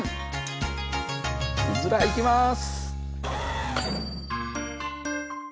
うずらいきます。